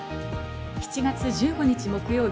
７月１５日、木曜日。